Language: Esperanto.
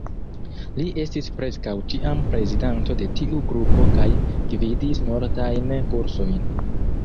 Li estis preskaŭ ĉiam prezidanto de tiu grupo kaj gvidis multajn kursojn.